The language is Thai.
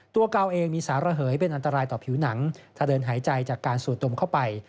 กาวเองมีสารระเหยเป็นอันตรายต่อผิวหนังถ้าเดินหายใจจากการสูดดมเข้าไป